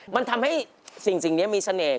มันทำให้สิ่งนี้มีเสน่ห